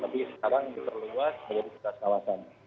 tapi sekarang terluas menjadi sebelah kawasan